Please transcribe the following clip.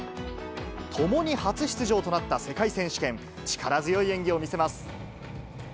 ともに初出場となった世界選手権、力強い演技を見せます。